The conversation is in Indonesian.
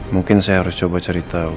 mungkin saya harus coba cerita